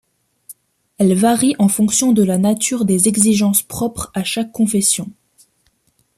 Elles varient en fonction de la nature des exigences propres à chaque confession.